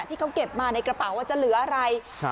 ที่เขาเก็บมาในกระเป๋าว่าจะเหลืออะไร